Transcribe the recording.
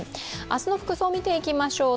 明日の服装を見ていきましょう。